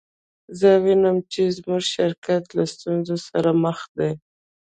زه وینم چې زموږ شرکت له ستونزو سره مخ دی